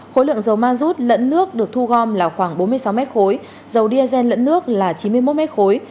khối lượng dầu ma rút lẫn nước được thu gom là khoảng bốn mươi sáu mét khối dầu diesel lẫn nước là chín mươi một mét khối